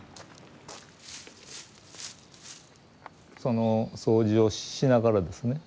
その掃除をしながらですね